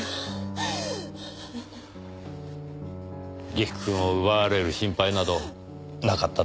陸くんを奪われる心配などなかったと思いますよ。